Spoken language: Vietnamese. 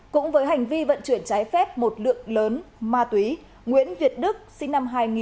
cũng với hành vi vận chuyển trái phép một lượng lớn ma túy nguyễn việt đức sinh năm hai nghìn